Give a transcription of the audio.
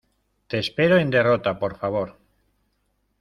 te espero en derrota. por favor .